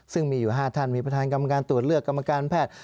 ซึ่งมีอยู่๕ท่านมีประธานกรรมการตรวจเลือกกรรมการแพทย์